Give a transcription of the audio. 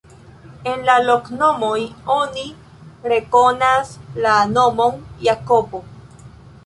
En la loknomoj oni rekonas la nomon Jakobo.